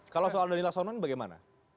kalau soal danilasonon bagaimana